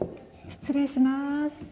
失礼します。